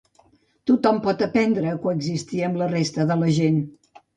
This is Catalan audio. Tothom pot aprendre a coexistir amb la resta de la gent.